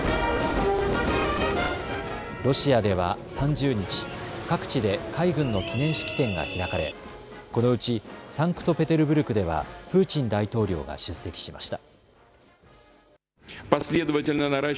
ロシアでは３０日、各地で海軍の記念式典が開かれ、このうちサンクトペテルブルクではプーチン大統領が出席しました。